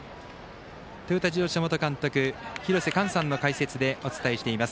トヨタ自動車元監督廣瀬寛さんの解説でお伝えしています。